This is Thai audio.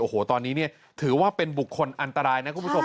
โอ้โหตอนนี้เนี่ยถือว่าเป็นบุคคลอันตรายนะคุณผู้ชม